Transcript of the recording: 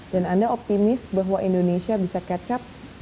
dan anda optimis bahwa indonesia bisa catch up